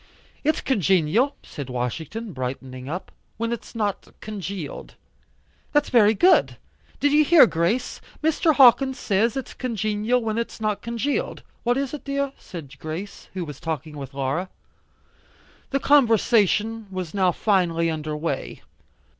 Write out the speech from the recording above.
"It's congenial," said Washington brightening up, "when it's not congealed." "That's very good. Did you hear, Grace, Mr. Hawkins says it's congenial when it's not congealed." "What is, dear?" said Grace, who was talking with Laura. The conversation was now finely under way.